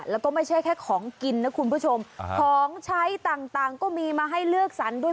แล้วก็ไม่ใช่แค่ของกินนะคุณผู้ชมของใช้ต่างก็มีมาให้เลือกสรรด้วย